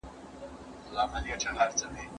همدا اوس چې موږ خبرې کوو.